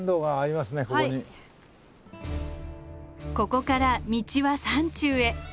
ここから道は山中へ。